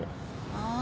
ああ。